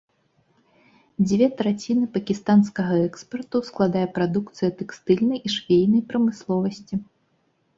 Дзве траціны пакістанскага экспарту складае прадукцыя тэкстыльнай і швейнай прамысловасці.